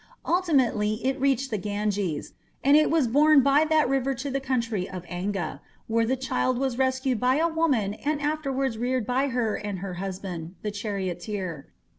Ultimately it reached the Ganges, and it was borne by that river to the country of Anga, where the child was rescued by a woman and afterwards reared by her and her husband, a charioteer.